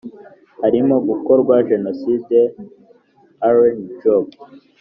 harimo gukorwa jenoside( alain juppe).